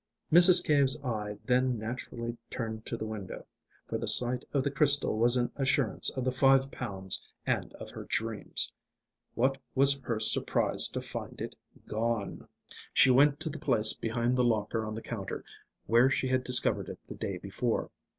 Mrs. Cave's eye then naturally turned to the window; for the sight of the crystal was an assurance of the five pounds and of her dreams. What was her surprise to find it gone! She went to the place behind the locker on the counter, where she had discovered it the day before.